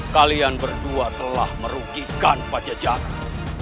kalian berdua telah merugikan pada jangka